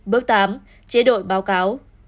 bước tám chế đội báo cáo